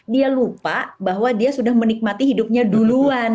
dia lupa bahwa dia sudah menikmati hidupnya duluan